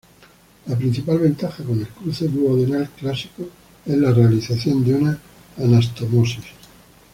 La principal ventaja con el cruce duodenal clásico es la realización de una anastomosis.